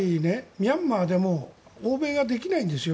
ミャンマーでも欧米ができないんですよ。